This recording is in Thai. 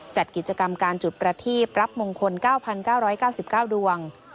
จัดกิจกรรมการจุดประทีปรับมงคล๙๙ดวง